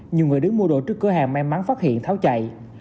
nhiều người đứng mua đồ trước cửa hàng may mắn phát hiện tháo chạy